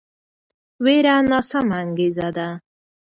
ویره ناسمه انګیزه ده